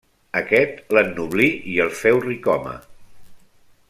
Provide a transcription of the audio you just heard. Aquest l'ennoblí i el féu ric-home.